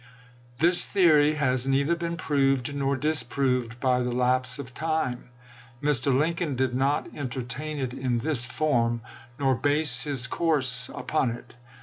This theory has neither been proved nor dis proved by the lapse of time ; Mr. Lincoln did not entertain it in this form1 nor base his course upon it.